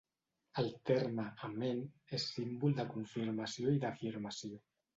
El terme 'amén' és símbol de confirmació i d'afirmació.